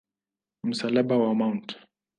Msalaba wa Mt.